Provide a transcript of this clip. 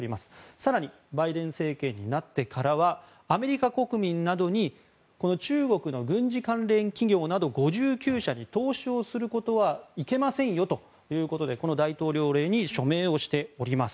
更にバイデン政権になってからはアメリカ国民などに中国の軍事関連企業など５９社に投資をすることはいけませんよということでこの大統領令に署名をしております。